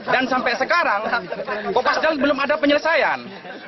dan sampai sekarang kopasdel belum ada penyelesaian